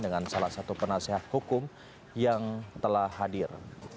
dengan salah satu penasehat hukum yang telah hadir